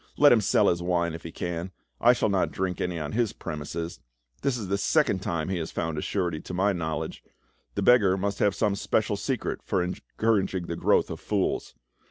Let him sell his wine if he can; I shall not drink any on his premises. This is the second time he has found a surety to my knowledge; the beggar must have some special secret for encouraging the growth of fools.